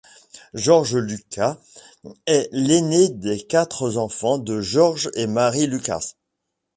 George Lucas est l'aîné des quatre enfants de George et Mary Lucas.